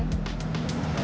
sama banget sih jalan kesini